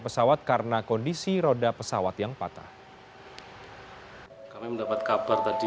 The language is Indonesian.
pesawat karena kondisi roda pesawat yang patah kami mendapat kabar tadi